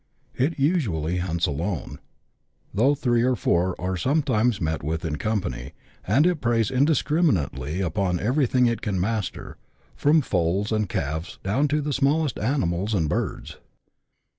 It usually hunts alone, though three or four are sometimes met with in company, and it preys indiscriminately upon everything it can master, from foals and calves down to the smallest animals and birds.